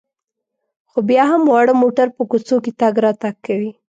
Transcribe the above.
خو بیا هم واړه موټر په کوڅو کې تګ راتګ کوي.